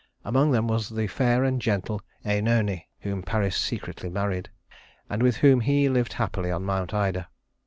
Among them was the fair and gentle Œnone, whom Paris secretly married, and with whom he lived happily on Mount Ida.